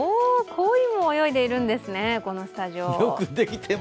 コイも泳いでいるんですね、このスタジオ。